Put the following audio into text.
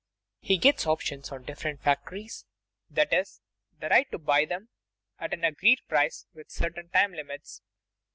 He gets options on different factories, that is, the right to buy them at an agreed price within certain time limits.